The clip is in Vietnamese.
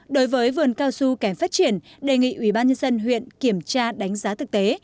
đối với vườn cao su kém phát triển đề nghị ubnd huyện kiểm tra đánh giá thực tế